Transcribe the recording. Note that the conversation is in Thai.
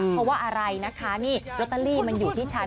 เพราะว่าอะไรนะคะนี่ลอตเตอรี่มันอยู่ที่ชั้น